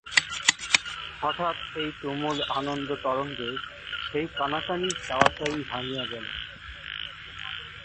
হঠাৎ এই তুমুল আনন্দতরঙ্গে সেই কানাকানি চাওয়াচাওয়ি ভাঙিয়া গেল।